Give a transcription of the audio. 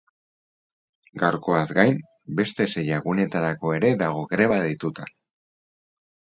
Gaurkoaz gain, beste sei egunetarako ere dago greba deituta.